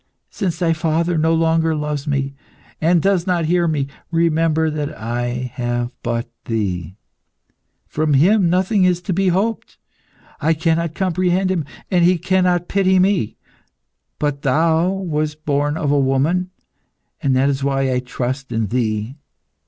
Since Thy Father no longer loves me, and does not hear me, remember that I have but Thee. From Him nothing is to be hoped; I cannot comprehend Him, and He cannot pity me. But Thou was born of a woman, and that is why I trust in Thee.